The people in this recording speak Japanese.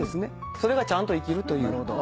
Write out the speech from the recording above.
それがちゃんと生きるという。